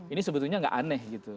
ini sebetulnya tidak aneh